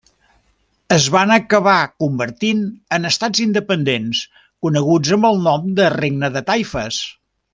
Es van acabar convertint en estats independents, coneguts amb el nom de regnes de taifes.